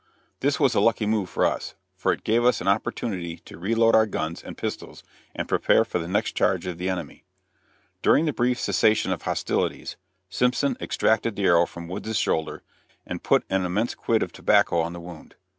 This was a lucky move for us, for it gave us an opportunity to reload our guns and pistols, and prepare for the next charge of the enemy. During the brief cessation of hostilities, Simpson extracted the arrow from Wood's shoulder, and put an immense quid of tobacco on the wound.